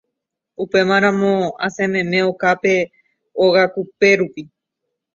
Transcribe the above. upémaramo asẽmeme okápe ogakupérupi